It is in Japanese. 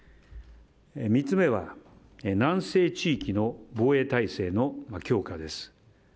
３つ目は南西地域の防衛体制の強化です。